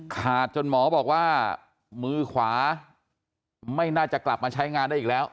จนหมอบอกว่ามือขวาไม่น่าจะกลับมาใช้งานได้อีกแล้ว